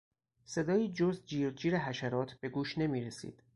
صدایی جز جیر جیر حشرات به گوش نمیرسید.